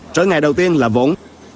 trở ngại đầu tiên là vốn